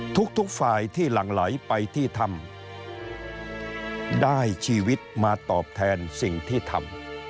ทุกฝ่ายที่หลั่งไหลไปที่ถ้ำได้ชีวิตมาตอบแทนสิ่งที่ทำ